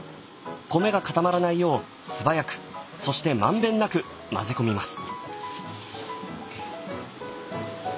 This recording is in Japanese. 米が固まらないよう素早くそして満遍なく混ぜ込みます。